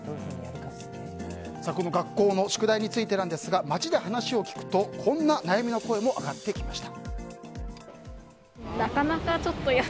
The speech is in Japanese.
学校の宿題についてですが街で話を聞くとこんな悩みの声も上がってきました。